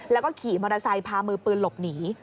แล้วก็ขี่มอเตอร์ไซค์พามือปืนหลบหนี